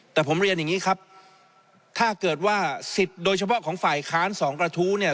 แต่ผมเรียนอย่างนี้ครับถ้าเกิดว่าสิทธิ์โดยเฉพาะของฝ่ายค้านสองกระทู้เนี่ย